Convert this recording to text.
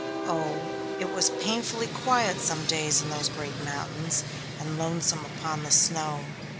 Oh, it was painfully quiet some days in those great mountains, and lonesome upon the snow.